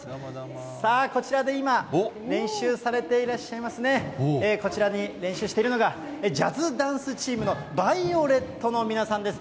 さあこちらで今、練習されていらっしゃいますね、こちらに練習しているのが、ジャズダンスチームのＶＩＯＬＥＴの皆さんです。